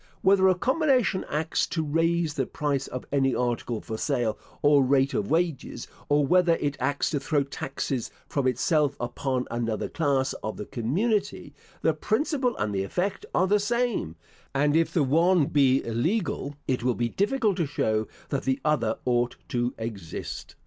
Whether a combination acts to raise the price of any article for sale, or rate of wages; or whether it acts to throw taxes from itself upon another class of the community, the principle and the effect are the same; and if the one be illegal, it will be difficult to show that the other ought to exist.